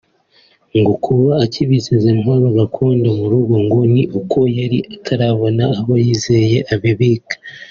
Kuba akibitse izi ntwaro gakondo mu rugo ngo ni uko yari atarabona aho yizeye abibika